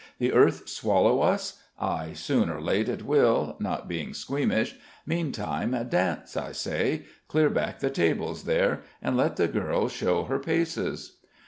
The earth swallow us? Ay, soon or late it will, not being squeamish. Meantime, dance, I say! Clear back the tables there, and let the girl show her paces!"